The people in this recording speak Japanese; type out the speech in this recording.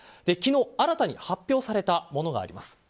昨日、新たに発表されたものがあります。